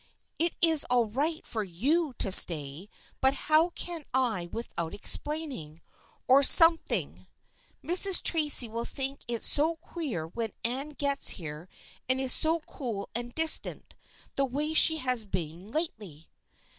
It is all right for you to sta}', but how can I without explaining, or some thing ? Mrs. Tracy will think it so queer when Anne gets here and is so cool and distant, the way she has been lately."